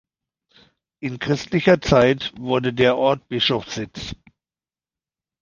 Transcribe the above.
In christlicher Zeit wurde der Ort Bischofssitz.